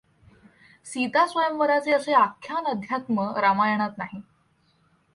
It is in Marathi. सीता स्वयंवराचे असे आख्यान अध्यात्म रामायणात नाही.